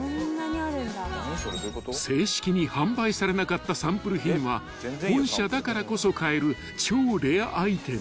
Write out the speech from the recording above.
［正式に販売されなかったサンプル品は本社だからこそ買える超レアアイテム］